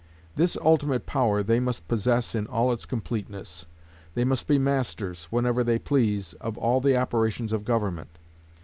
This ultimate power they must possess in all its completeness. They must be masters, whenever they please, of all the operations of government.